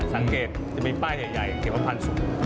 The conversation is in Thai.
สังเกตจะมีป้ายใหญ่เก็บพันธุ์สูง